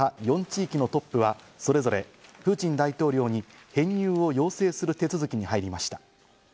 ４地域のトップは、それぞれプーチン大統領に編入を要請する手続きに入りました。